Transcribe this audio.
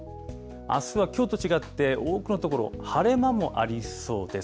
あすはきょうと違って、多くの所、晴れ間もありそうです。